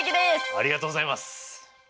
ありがとうございます！